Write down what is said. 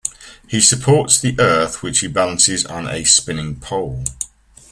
He supports the Earth which he balances on a spinning pole.